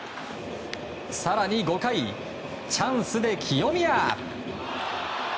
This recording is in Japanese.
更に５回、チャンスで清宮。